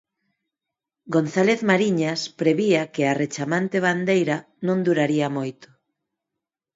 González Mariñas prevía que a rechamante bandeira non duraría moito.